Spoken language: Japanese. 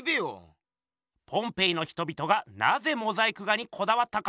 ポンペイの人々がなぜモザイク画にこだわったか？